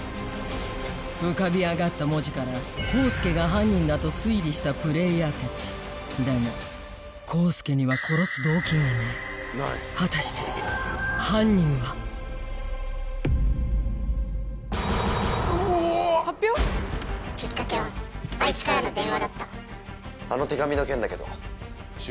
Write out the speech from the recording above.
浮かび上がった文字から康助が犯人だと推理したプレイヤーたちだが康助には殺す果たしてきっかけはあいつからの電話だったあの手紙の件だけど。